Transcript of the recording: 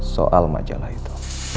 soal majalah itu